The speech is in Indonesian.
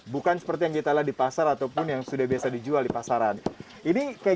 bukan seperti yang kita lihat di pasar ataupun yang sudah biasa dijual di pasaran